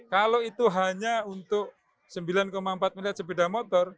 kalau itu hanya untuk sembilan empat miliar sepeda motor